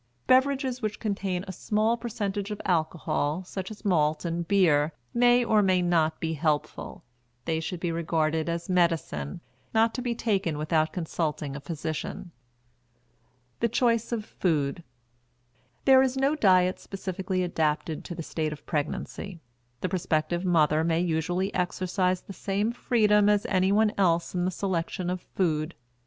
Beverages which contain a small percentage of alcohol, such as malt and beer, may or may not be helpful; they should be regarded as medicine, not to be taken without consulting a physician. THE CHOICE OF FOOD. There is no diet specifically adapted to the state of pregnancy; the prospective mother may usually exercise the same freedom as anyone else in the selection of food.